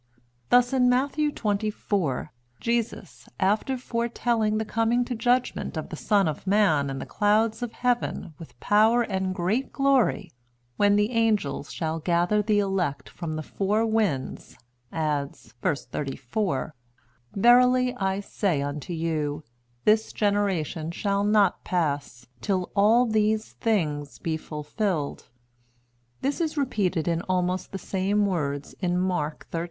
Thus in Matt, xxiv., Jesus after foretelling the coming to judgment of the son of man in the clouds of heaven with power and great glory, when the angels shall gather the elect from the four winds, adds, v. 34, "Verily I say unto you, This generation shall not pass, till all these things be fulfilled." This is repeated in almost the same words in Mark xiii.